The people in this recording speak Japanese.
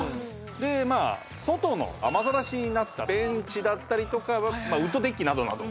でまあ外の雨ざらしになったベンチだったりとかウッドデッキなどなど。